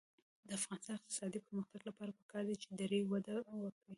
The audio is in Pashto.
د افغانستان د اقتصادي پرمختګ لپاره پکار ده چې دري وده وکړي.